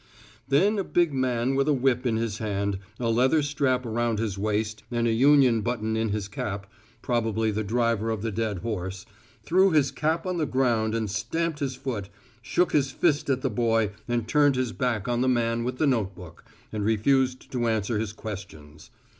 Then a big man with a whip in his hand, a leather strap around his waist and a union button in his cap, probably the driver of the dead horse, threw his cap on the ground and stamped his foot, shook his fist at the boy and turned his back on the man with the note book and refused to answer his questions.